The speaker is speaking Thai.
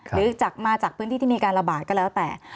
หรือมาจากพื้นที่ที่มีการระบาดก็แล้วแต่